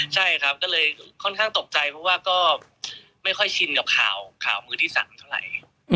ใช่ครับก็เลยค่อนข้างตกใจเพราะว่าก็ไม่ค่อยชินกับข่าวมือที่๓เท่าไหร่